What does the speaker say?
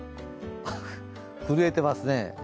震えてますね。